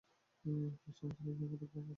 তার স্বামী একজন ফটোগ্রাফার এবং পিএইচডি ছাত্র।